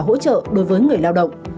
hỗ trợ đối với người lao động